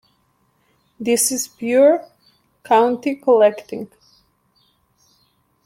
This is pure county collecting.